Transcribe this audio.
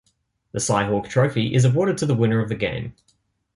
The Cy-Hawk Trophy is awarded to the winner of the game.